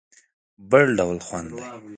بل ډول خوند دی.